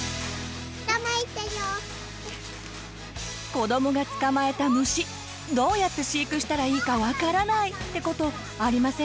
子どもが捕まえた虫どうやって飼育したらいいか分からないって事ありませんか？